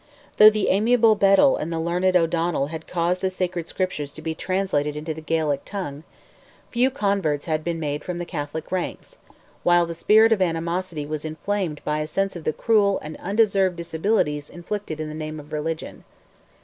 Though the amiable Bedell and the learned O'Donnell had caused the sacred Scriptures to be translated into the Gaelic tongue, few converts had been made from the Catholic ranks, while the spirit of animosity was inflamed by a sense of the cruel and undeserved disabilities inflicted in the name of religion.